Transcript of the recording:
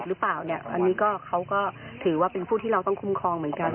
เจ้านักที่บอกว่าโดยตัวเด็กผู้หญิงแล้ว